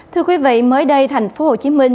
thưa quý vị mới đây tp hcm